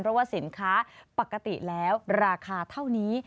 เพราะว่าสินค้าปกติแล้วราคาเท่านี้